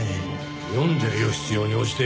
読んでるよ必要に応じて。